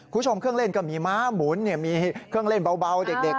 คุณผู้ชมเครื่องเล่นก็มีม้าหมุนมีเครื่องเล่นเบาเด็ก